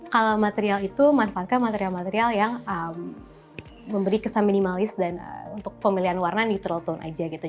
kalau material itu manfaatkan material material yang memberi kesan minimalis dan untuk pemilihan warna neutral tone aja gitu